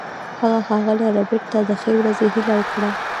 هغه ښاغلي ربیټ ته د ښې ورځې هیله وکړه